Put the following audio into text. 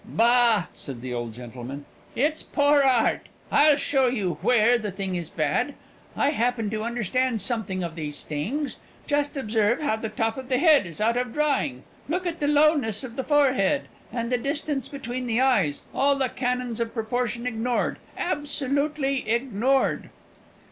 "Bah!" said the old gentleman, "it's poor art. I'll show you where the thing is bad. I happen to understand something of these things. Just observe how the top of the head is out of drawing; look at the lowness of the forehead, and the distance between the eyes; all the canons of proportion ignored absolutely ignored!"